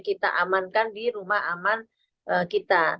kita amankan di rumah aman kita